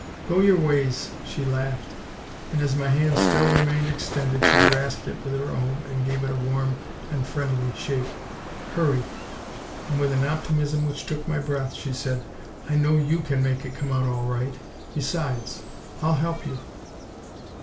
"Go your ways," she laughed, and as my hand still remained extended she grasped it with her own and gave it a warm and friendly shake. "Hurry!" And with an optimism which took my breath, she said, "I know YOU can make it come out all right! Besides, I'll help you!"